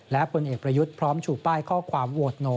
และผลเอกประยุทธ์พร้อมชูป้ายข้อความโหวตโน